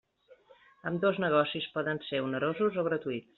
Ambdós negocis poden ser onerosos o gratuïts.